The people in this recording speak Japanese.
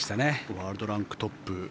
ワールドランクトップ。